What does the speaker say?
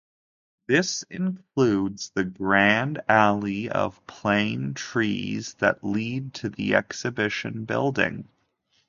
This includes the "grand allee" of plane trees that lead to the exhibition building.